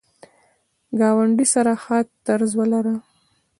ګاونډي سره ښه طرز ولره